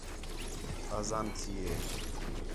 آذان تھی ہے